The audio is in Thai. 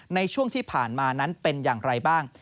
ในช่วงที่ผ่านมานั้นเป็นอย่างไรบ้าง